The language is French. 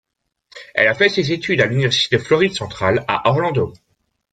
Elle a fait ses études à l'Université de Floride centrale à Orlando.